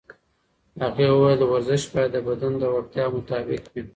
هغې وویل ورزش باید د بدن د وړتیاوو مطابق وي.